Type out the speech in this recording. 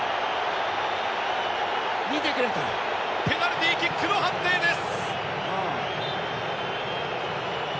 ペナルティーキックの判定です。